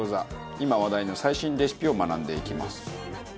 今話題の最新レシピを学んでいきます。